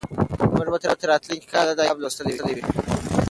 موږ به تر راتلونکي کاله دا کتاب لوستلی وي.